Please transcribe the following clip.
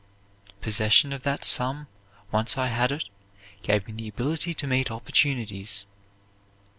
Possession of that sum, once I had it, gave me the ability to meet opportunities.